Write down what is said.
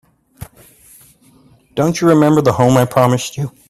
Don't you remember the home I promised you?